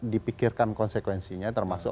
dipikirkan konsekuensinya termasuk